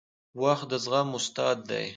• وخت د زغم استاد دی.